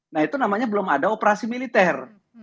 nah itu namanya belum ada operasi militer